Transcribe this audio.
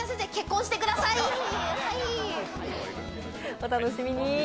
お楽しみに！